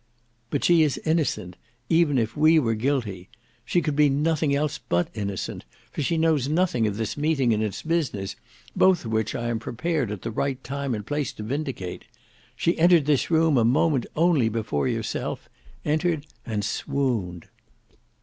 "But she is innocent, even if we were guilty; she could be nothing else but innocent, for she knows nothing of this meeting and its business, both of which I am prepared at the right time and place to vindicate. She entered this room a moment only before yourself, entered and swooned."